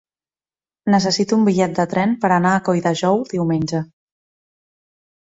Necessito un bitllet de tren per anar a Colldejou diumenge.